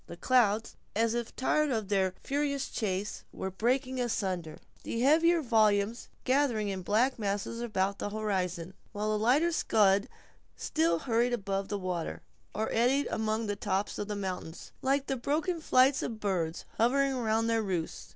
The clouds, as if tired of their furious chase, were breaking asunder; the heavier volumes, gathering in black masses about the horizon, while the lighter scud still hurried above the water, or eddied among the tops of the mountains, like broken flights of birds, hovering around their roosts.